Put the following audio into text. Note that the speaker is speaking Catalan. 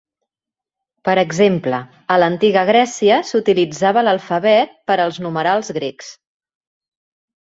Per exemple, a l'antiga Grècia, s'utilitzava l'alfabet per als numerals grecs.